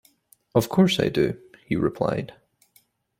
‘Of course I do,’ he replied.